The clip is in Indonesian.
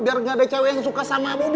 biar gak ada cewek yang suka sama amuni